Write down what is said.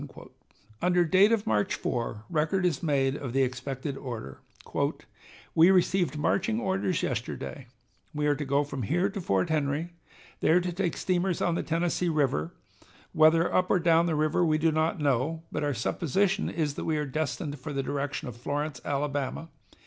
Under date of March 4 record is made of the expected order: "We received marching orders yesterday. We are to go from here to Fort Henry, there to take steamers on the Tennessee River, whether up or down the river we do not know, but our supposition is that we are destined for the direction of Florence, Alabama.